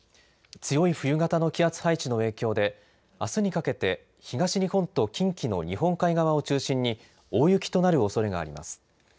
強い冬型の気圧配置の影響であすにかけて東日本と近畿の日本海側を中心に大雪となるおそれがあります。